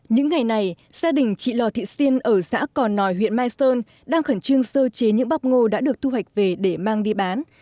những ngày này gia đình chị lò thị siên ở xã cò nòi huyện mai sơn đang khẩn trương sơ chế những bắp ngô đã được thu hoạch về để mang đi bán